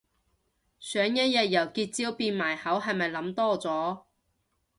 想一日由結焦變埋口係咪諗多咗